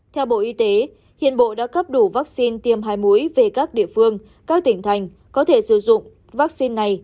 theo bộ y tế hiện bộ đã cấp đủ vaccine tiêm hai mũi về các địa phương các tỉnh thành có thể sử dụng vaccine này